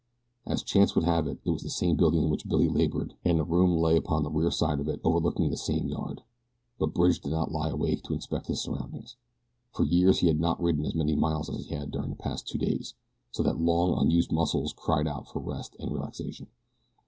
As chance would have it, it was the same building in which Billy labored and the room lay upon the rear side of it overlooking the same yard. But Bridge did not lie awake to inspect his surroundings. For years he had not ridden as many miles as he had during the past two days, so that long unused muscles cried out for rest and relaxation.